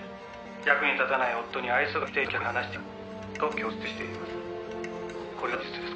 「役に立たない夫に愛想が尽きていると客に話していたと供述しています。